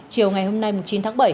chiều ngày hôm nay chín tháng bảy